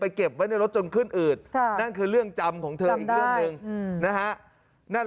เก็บไว้ในรถจนขึ้นอืดนั่นคือเรื่องจำของเธออีกเรื่องหนึ่งนะฮะนั่น